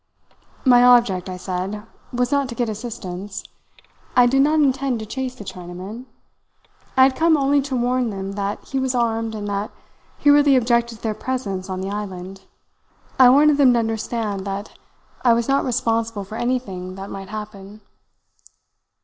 "My object, I said, was not to get assistance. I did not intend to chase the Chinaman. I had come only to warn them that he was armed, and that he really objected to their presence on the island. I wanted them to understand that I was not responsible for anything that might happen.